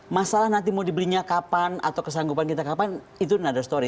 masalah nanti mau dibelinya kapan atau kesanggupan kita kapan itu noth story